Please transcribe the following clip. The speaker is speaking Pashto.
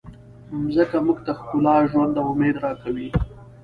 مځکه موږ ته ښکلا، ژوند او امید راکوي.